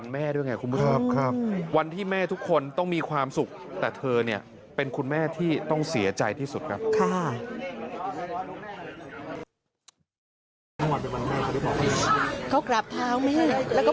แม่ที่ต้องเสียใจที่สุดครับครับครับค่ะ